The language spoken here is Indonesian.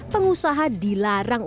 pengusaha dilarang utamanya